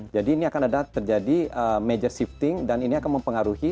jadi ini akan ada terjadi major shifting dan ini akan mempengaruhi